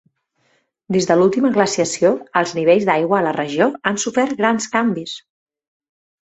Des de l'última glaciació, els nivells d'aigua a la regió han sofert grans canvis.